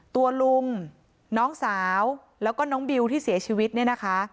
ตัวลุงน้องสาวแล้วก็น้องบิวที่เสียชีวิตเนี่ยนะคะ